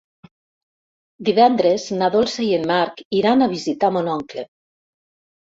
Divendres na Dolça i en Marc iran a visitar mon oncle.